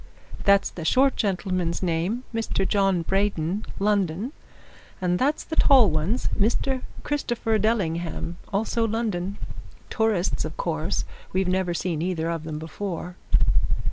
"That's the short gentleman's name Mr. John Braden, London. And that's the tall one's Mr. Christopher Dellingham also London. Tourists, of course we've never seen either of them before."